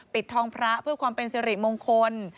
ปิดทองพระเพื่อความเป็นสิริมงคล